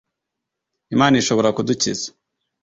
imana ishobora kudukiza